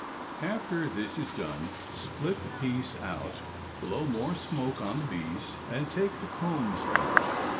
After this is done, split the piece out, blow more smoke on the bees and take the combs out.